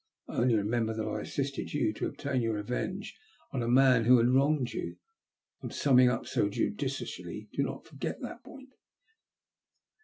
I only remember that I assisted you to obtain your revenge on a man who had wronged you. On summing up so judiciously, pray do not forget that point."